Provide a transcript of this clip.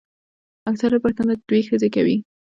اکثریت پښتانه دوې ښځي کوي.